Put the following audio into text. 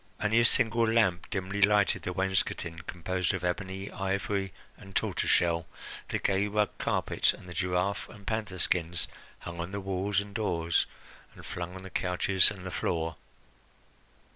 Only a single lamp dimly lighted the wainscoting, composed of ebony, ivory, and tortoise shell, the gay rug carpet, and the giraffe and panther skins hung on the walls and doors and flung on the couches and the floor.